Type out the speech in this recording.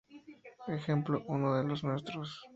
Ejemplo: "Uno de los nuestros".